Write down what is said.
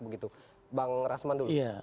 bang rasmus dulu